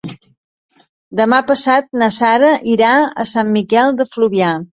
Demà passat na Sara irà a Sant Miquel de Fluvià.